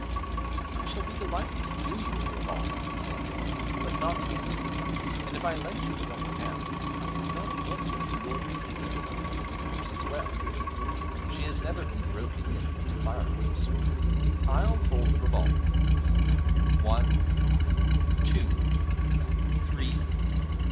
'I shall be delighted to do you with a revolver,' he said grimly, 'but not yet; and if I lent you the weapon now, I could not answer for your being able to hold the horse as well she has never been broken in to firearms. I'll hold the revolver. One two three.'